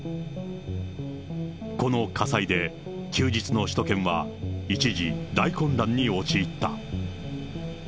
この火災で休日の首都圏は一時、大混乱に陥った。